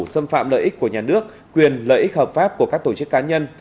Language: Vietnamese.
xâm phạm lợi ích của nhà nước quyền lợi ích hợp pháp của các tổ chức cá nhân